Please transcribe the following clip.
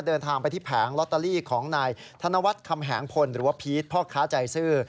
เดินทางไปที่แผงลอตเตอรี่ของนายธนวัฒน์คำแหงพลหรือว่าพีชพ่อค้าใจซื้อ